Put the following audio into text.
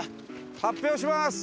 発表します！